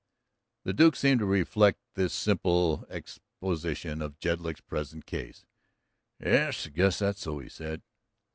The Duke seemed to reflect this simple exposition of Jedlick's present case. "Yes, I guess that's so," he said.